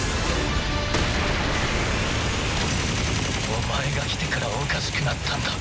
お前が来てからおかしくなったんだ